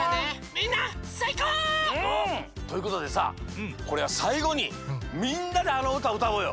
みんなさいこう！ということでささいごにみんなであのうたをうたおうよ！